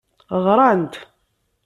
Ɣrant.